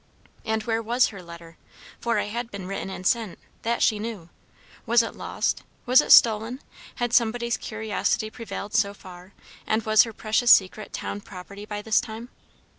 And where was her letter? for it had been written and sent; that she knew; was it lost? was it stolen? Had somebody's curiosity prevailed so far, and was her precious secret town property by this time?